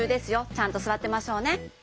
ちゃんとすわってましょうね。